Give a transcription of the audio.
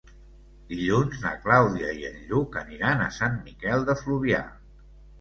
Dilluns na Clàudia i en Lluc aniran a Sant Miquel de Fluvià.